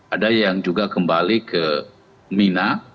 ada yang juga kembali ke mina